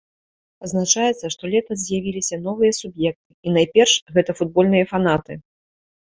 Адзначаецца, што летась з'явіліся новыя суб'екты і найперш гэта футбольныя фанаты.